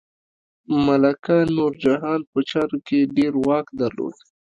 ملکه نورجهان په چارو کې ډیر واک درلود.